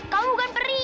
kamu bukan peri